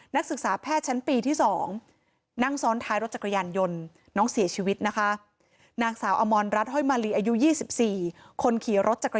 นักศึกษาแพทย์ชั้นปีที่๒